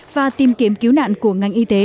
và tìm kiếm cứu nạn của ngành y tế